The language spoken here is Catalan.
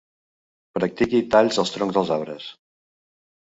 Practiqui talls als troncs dels arbres.